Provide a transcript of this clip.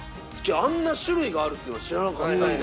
あんな種類があるっていうのは知らなかったんで。